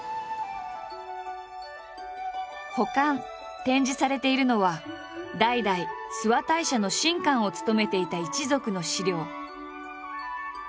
保管展示されているのは代々諏訪大社の神官を務めていた一族の史料。